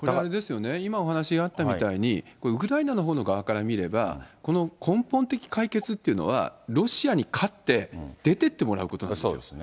今お話があったみたいに、これ、ウクライナの側から見れば、この根本的解決っていうのは、ロシアに勝って、出てってもらうことなんですよ。